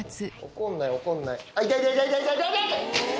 怒んない、怒んない。